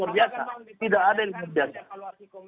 luar biasa tidak ada yang luar biasa